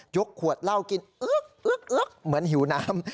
ยกขวดเหล้ากินเอล๊ะเอล๊ะเหล้ะเหมือนหิวน้ำ